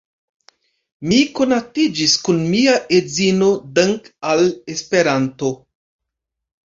Mi konatiĝis kun mia edzino dankʼ al Esperanto.